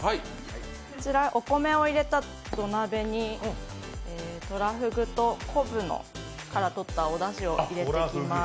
こちらお米を入れた土鍋にとらふぐと昆布からとったおだしを入れていきます。